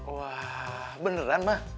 wah beneran ma